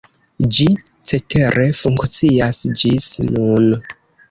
Ĝi cetere funkcias ĝis nun.